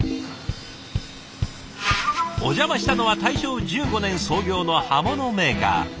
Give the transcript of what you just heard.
お邪魔したのは大正１５年創業の刃物メーカー。